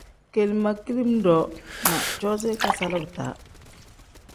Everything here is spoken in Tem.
Kele ma kidiim-ro na coozi ikasala bidaa.